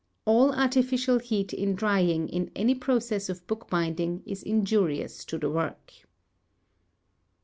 _All artificial heat in drying in any process of bookbinding is injurious to the work.